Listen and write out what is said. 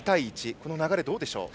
この流れ、どうでしょう？